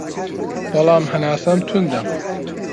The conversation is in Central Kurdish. بەڵام هەناسەم توندە